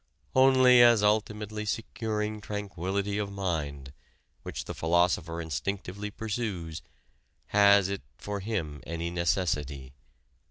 Only as ultimately securing tranquillity of mind, which the philosopher instinctively pursues, has it for him any necessity.